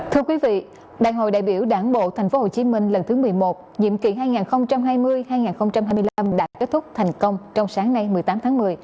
thưa quý vị đại hội đại biểu đảng bộ tp hcm lần thứ một mươi một nhiệm kỳ hai nghìn hai mươi hai nghìn hai mươi năm đã kết thúc thành công trong sáng nay một mươi tám tháng một mươi